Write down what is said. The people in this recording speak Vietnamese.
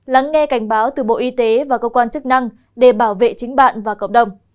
lắng nghe cảnh báo từ bộ y tế và cơ quan chức năng để bảo vệ chính bạn và cộng đồng